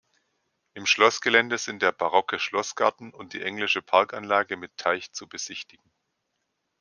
Im Schlossgelände sind der barocke Schlossgarten und die englische Parkanlage mit Teich zu besichtigen.